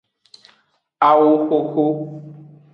Awoxoxo.